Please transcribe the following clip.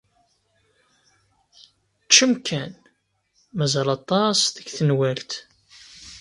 Ččem kan. Mazal aṭas deg tenwalt.